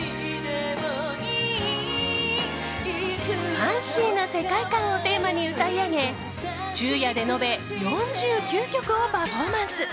ファンシーな世界観をテーマに歌い上げ昼夜で延べ４９曲をパフォーマンス。